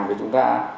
của chúng ta